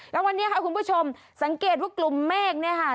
แล้ววันนี้ค่ะคุณผู้ชมสังเกตว่ากลุ่มเมฆเนี่ยค่ะ